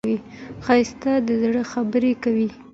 ښایست د زړه خبرې کوي